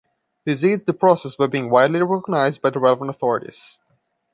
This aids the process by being widely recognised by the relevant authorities.